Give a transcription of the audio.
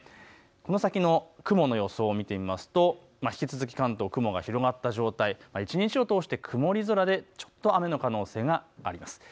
この先の雲の様子を見ていきますと引き続き雲が広がった状態、一日を通して曇り空で雨の可能性があります。